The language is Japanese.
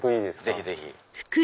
ぜひぜひ。